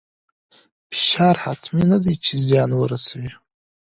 فشار حتمي نه دی چې زیان ورسوي.